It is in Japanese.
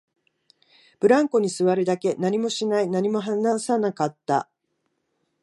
ブランコに座るだけ、何もしない、何も話さなかった